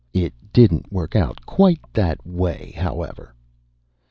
"It didn't work out quite that way, however...."